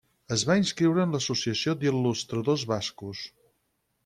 Es va inscriure en l'Associació d'Il·lustradors Bascos.